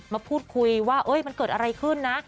มาพูดคุยว่ามันเกิดอะไรขึ้นนะ